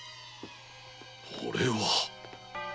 これは！